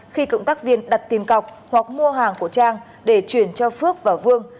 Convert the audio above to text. khi cộng tác viên đặt tìm cọc hoặc mua hàng của trang để chuyển cho phước và vương